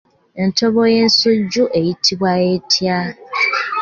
Entobo y'ensujju eyitibwa etya?